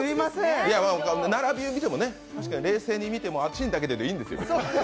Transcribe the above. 並びを見ても、確かに冷静に見ても「あちぃんだけど」でいいんですよ。